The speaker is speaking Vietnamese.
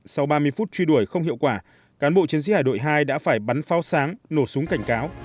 sau ba mươi phút truy đuổi không hiệu quả cán bộ chiến sĩ hải đội hai đã phải bắn pháo sáng nổ súng cảnh cáo